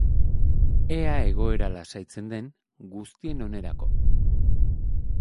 Ea egoera lasaitzen den, guztien onerako.